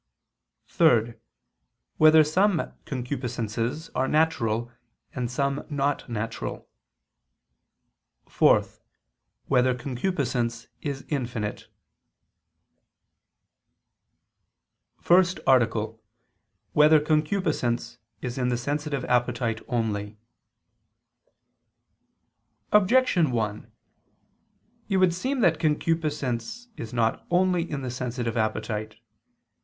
(3) Whether some concupiscences are natural, and some not natural? (4) Whether concupiscence is infinite? ________________________ FIRST ARTICLE [I II, Q. 30, Art. 1] Whether Concupiscence Is in the Sensitive Appetite Only? Objection 1: It would seem that concupiscence is not only in the sensitive appetite.